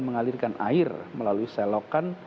mengalirkan air melalui selokan